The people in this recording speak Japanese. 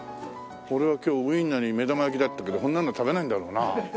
俺は今日ウィンナーに目玉焼きだったけどそんなの食べないんだろうな。